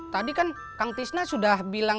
tadi kan kang tisna sudah bilang